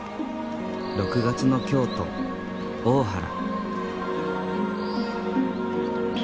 ６月の京都・大原。